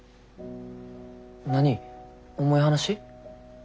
何重い話？